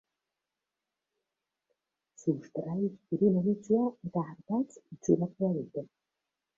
Sustrai zuri mamitsua eta ardatz itxurakoa dute.